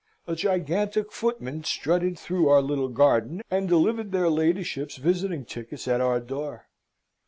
A gigantic footman strutted through our little garden, and delivered their ladyships' visiting tickets at our door.